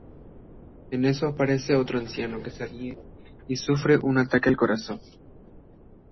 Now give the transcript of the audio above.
En eso aparece otro anciano que se ríe y sufre un ataque al corazón.